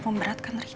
pokoknya ada di sini